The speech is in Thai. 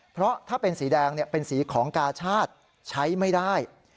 เพราะถ้าเป็นสีแดงเป็นสีของกาชาติใช้ไม่ได้